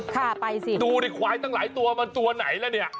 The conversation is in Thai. ค่ะไปสิดูดิควายตั้งหลายตัวมันตัวไหนแล้วเนี่ย